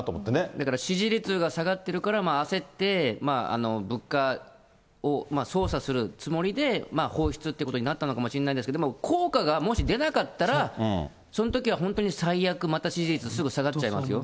だから支持率が下がってるから焦って、物価を操作するつもりで、放出ということになったのかもしれないけど、効果がもし出なかったら、そのときは本当に最悪、また支持率すぐ下がっちゃいますよ。